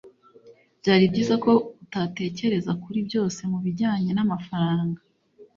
byari byiza ko utatekereza kuri byose mubijyanye namafaranga